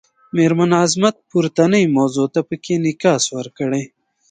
میرمن عظمت پورتنۍ موضوع ته پکې انعکاس ورکړی.